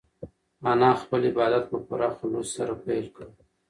انا خپل عبادت په پوره خلوص سره پیل کړ.